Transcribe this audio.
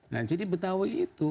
nah jadi betawi itu